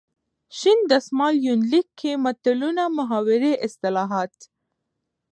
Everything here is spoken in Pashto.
شین دسمال یونلیک کې متلونه ،محاورې، اصطلاحات .